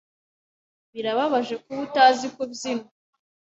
Birababaje kuba utazi kubyina.